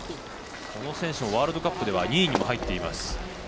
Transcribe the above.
この選手もワールドカップでは２位にも入っています。